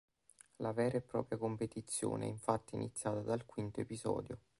La vera e propria competizione è infatti iniziata dal quinto episodio.